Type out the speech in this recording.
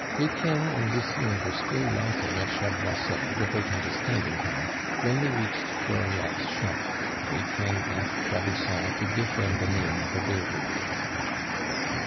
Etienne and Lucien were still laughing at Chaboisseau, without understanding him, when they reached Dauriat's shop, and Etienne asked Gabusson to give them the name of a bill broker.